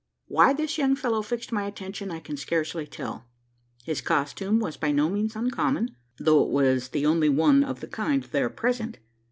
Why this young fellow fixed my attention, I can scarcely tell. His costume was by no means uncommon: though it was the only one of the kind there present.